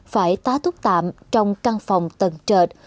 phải tá thuốc tạm trong căn phòng tầng trợt